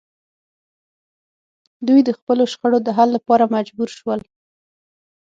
دوی د خپلو شخړو د حل لپاره مجبور شول